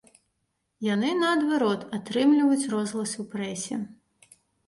Яны, наадварот, атрымліваюць розгалас у прэсе.